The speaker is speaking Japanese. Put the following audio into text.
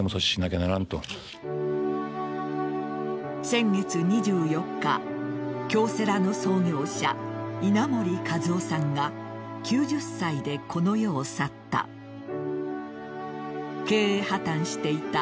先月２４日京セラの創業者・稲盛和夫さんが９０歳でこの世を去った。